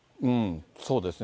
そうですね。